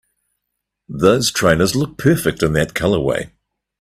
Those trainers look perfect in that colorway!